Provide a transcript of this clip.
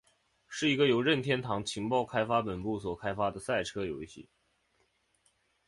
是一个由任天堂情报开发本部所开发的赛车游戏。